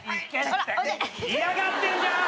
嫌がってんじゃん！